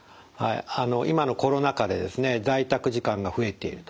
今のコロナ禍で在宅時間が増えていると。